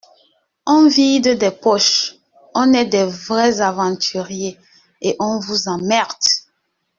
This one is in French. on vide des poches, on est des vrais aventuriers et on vous emmerde.